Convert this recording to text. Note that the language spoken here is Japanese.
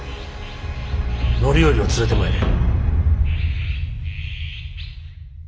範頼を連れてまいれ。